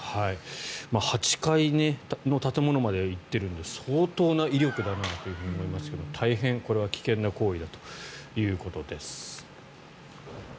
８階の建物まで行ってるので相当な威力だなと思いますが大変これは危険な行為だということです。